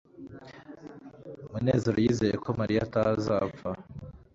munezero yizeye ko mariya atazapfa